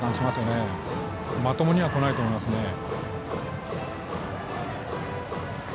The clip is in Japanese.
まともにはこないと思いますね。